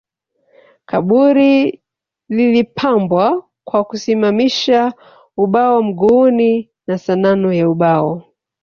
Kaburi lilipambwa kwa kusimamisha ubao mguuni na sanamu ya ubao